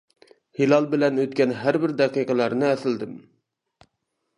ھىلال بىلەن ئۆتكەن ھەر بىر دەقىقىلەرنى ئەسلىدىم.